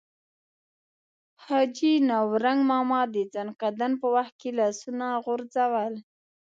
حاجي نورنګ ماما د ځنکدن په وخت کې لاسونه غورځول.